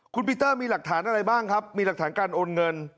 คุณปีเตอร์มีหลักฐานอะไรบ้างครับมีหลักฐานการโอนเงิน